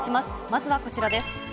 まずはこちらです。